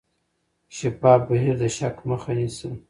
شفاف بهیر د شک مخه نیسي.